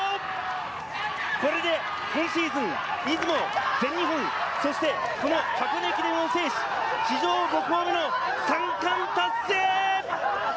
これで今シーズン、出雲、全日本、そしてこの箱根駅伝を制し、史上５校目の三冠達成！